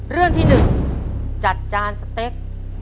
เรื่องที่๑จัดจานสเต็ก